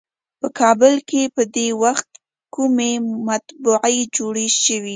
په کابل کې په دې وخت کومې مطبعې جوړې شوې.